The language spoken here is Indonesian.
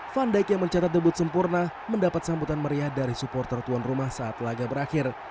van dijk yang mencatat debut sempurna mendapat sambutan meriah dari supporter tuan rumah saat laga berakhir